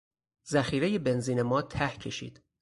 ذخیرهی بنزین ما ته کشید.